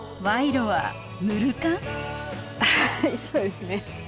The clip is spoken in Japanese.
はいそうですね。